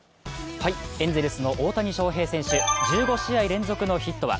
エンゼルスの大谷翔平選手１５試合連続のヒットは？